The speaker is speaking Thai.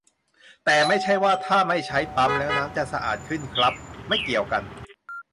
แต่ไม่ใช่ว่า ถ้าไม่ใช้ปั๊มแล้วน้ำจะสะอาดขึ้นครับ ไม่เกี่ยวกัน